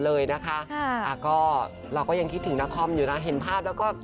เราก็ยังคิดถึงนาคอมอยู่นะเห็นภาพแล้วก็